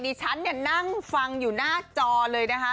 ฉันเนี่ยนั่งฟังอยู่หน้าจอเลยนะคะ